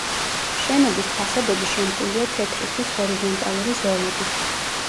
შენობის ფასადები შემკულია თეთრი ქვის ჰორიზონტალური ზოლებით.